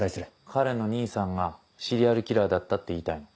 彼の兄さんがシリアルキラーだったって言いたいの？